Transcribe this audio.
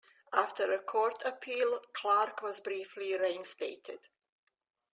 After a court appeal Clark was briefly reinstated.